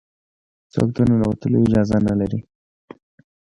څوک د ننوتلو اجازه نه لري.